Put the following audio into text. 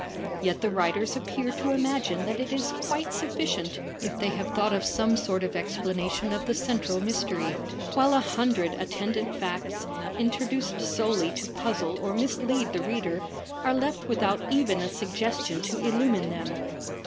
Yet the writers appear to imagine that it is quite sufficient if they have thought of some sort of explanation of the central mystery, while a himdred attendant facts, introduced solely to puzzle or mislead the reader, are left without even a sug gestion to illumine them.